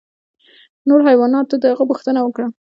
نورو حیواناتو د هغه پوښتنه وکړه.